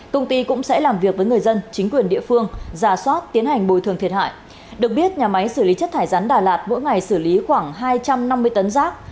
thải rắn đà lạt mỗi ngày xử lý khoảng hai trăm năm mươi tấn rác